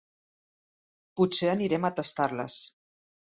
Potser anirem a tastar-les.